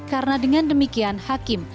karena dengan demikian hakim